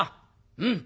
うん！